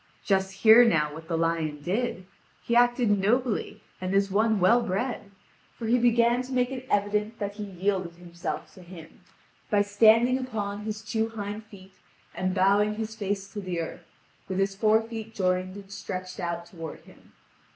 Just hear now what the lion did! He acted nobly and as one well bred; for he began to make it evident that he yielded himself to him, by standing upon his two hind feet and bowing his face to the earth, with his fore feet joined and stretched out toward him.